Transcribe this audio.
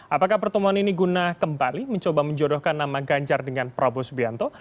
apakah pertemuan ini guna kembali mencoba menjodohkan nama ganjar dengan prabowo subianto